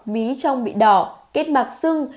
mí trong bị đỏ kết mạc sưng